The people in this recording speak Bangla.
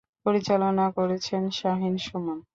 পরিচালনা করেছেন শাহীন সুমন।